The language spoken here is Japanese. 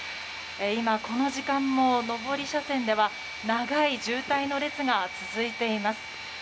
今、この時間も上り車線では長い渋滞の列が続いています。